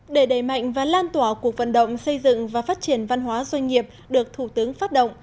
để đẩy mạnh và lan tỏa cuộc vận động xây dựng và phát triển văn hóa doanh nghiệp được thủ tướng phát động